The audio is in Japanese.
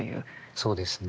そうですね。